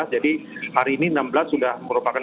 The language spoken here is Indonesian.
jadi hari ini enam belas sudah merupakan pertandingan